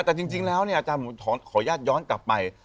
แต่จริงแล้วเนี่ยอาจารย์หมูขออนุญาตย้อนกลับไป